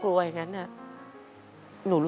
สวัสดีครับน้องเล่จากจังหวัดพิจิตรครับ